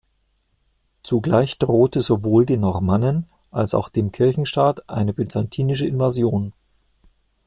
Zugleich drohte sowohl den Normannen als auch dem Kirchenstaat eine byzantinische Invasion.